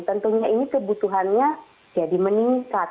tentunya ini kebutuhannya jadi meningkat